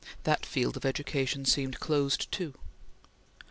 That field of education seemed closed too.